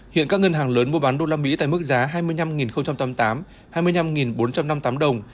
hiện các ngân hàng lớn mua bán đô la mỹ tại mức giá hai mươi năm tám mươi tám hai mươi năm bốn trăm năm mươi tám đồng